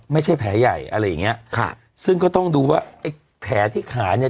ไม่ใช่แผลใหญ่อะไรอย่างเงี้ยค่ะซึ่งก็ต้องดูว่าไอ้แผลที่ขาเนี้ย